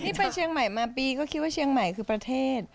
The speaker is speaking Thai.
นี่ไปเชียงใหม่มาปีก็คิดว่าเชียงใหม่คือประเทศ